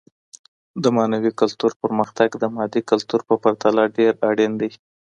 د معنوي کلتور پرمختګ د مادي کلتور په پرتله ډېر اړين دی.